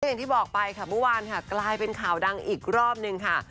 อย่างที่บอกไปค่ะเมื่อวานค่ะกลายเป็นข่าวดังอีกรอบนึงค่ะ